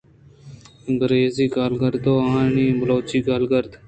انگریزی گالرد ءُ آیانی بلوچی گالرد